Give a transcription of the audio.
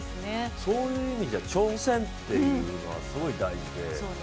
そういう意味では挑戦っていうのはすごい大事で。